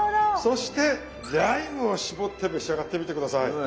そしてライムを絞って召し上がってみて下さい。